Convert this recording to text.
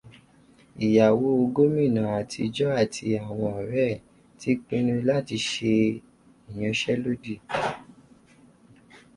Ìyàwó gómìnà àtijọ́ àti àwọn ọ̀rẹ́ rẹ̀ ti pinnu láti ṣe ìyanṣẹ́lódì